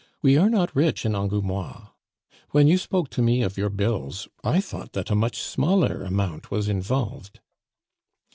We are not rich in Angoumois. When you spoke to me of your bills, I thought that a much smaller amount was involved."